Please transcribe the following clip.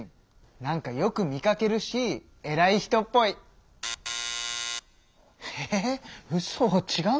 なんかよく見かけるしえらい人っぽい！えうそちがうの？